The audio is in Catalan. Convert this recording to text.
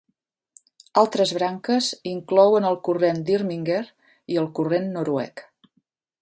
Altres branques inclouen el corrent d'Irminger i el corrent noruec.